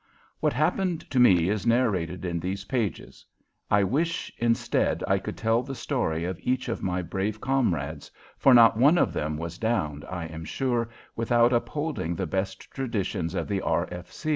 What happened to me is narrated in these pages. I wish, instead, I could tell the story of each of my brave comrades, for not one of them was downed, I am sure, without upholding the best traditions of the R.